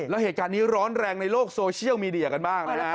แล้วเหตุการณ์นี้ร้อนแรงในโลกโซเชียลมีเดียกันบ้างนะฮะ